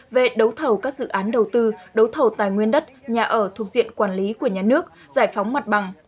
về đấu thầu các dự án đầu tư đấu thầu tài nguyên đất nhà ở thuộc diện quản lý của nhà nước giải phóng mặt bằng